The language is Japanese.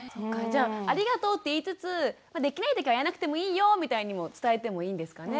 じゃあありがとうって言いつつできないときはやらなくてもいいよみたいにも伝えてもいいんですかね？